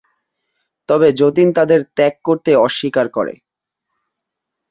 তবে যতীন তাদের ত্যাগ করতে অস্বীকার করে।